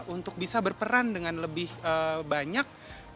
untuk bisa berperan dengan lebih banyak